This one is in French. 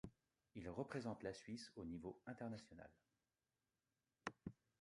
Il représente la Suisse au niveau international.